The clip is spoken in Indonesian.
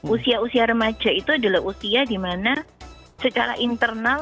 usia usia remaja itu adalah usia dimana secara internasional